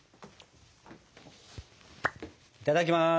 いただきます。